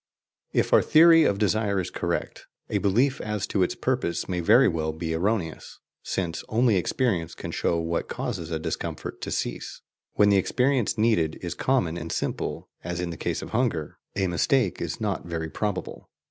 If our theory of desire is correct, a belief as to its purpose may very well be erroneous, since only experience can show what causes a discomfort to cease. When the experience needed is common and simple, as in the case of hunger, a mistake is not very probable.